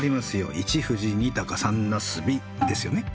「一富士二鷹三茄子」ですよね。